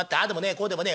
こうでもねえ